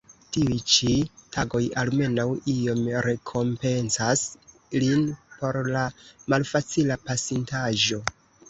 Tiuj ĉi tagoj almenaŭ iom rekompencas lin por la malfacila pasintaĵo.